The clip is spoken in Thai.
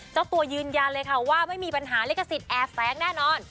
เจ้าตัวยืนยันเลยค่ะว่าไม่มีปัญหาลิขสิทธิแอบแฟ้งแน่นอน